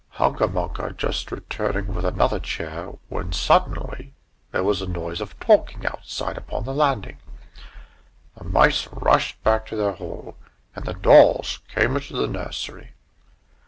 Hunca Munca was just returning with another chair, when suddenly there was a noise of talking outside upon the landing. The mice rushed back to their hole, and the dolls came into the nursery.